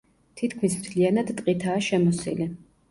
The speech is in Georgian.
თითქმის მთლიანად ტყითაა შემოსილი.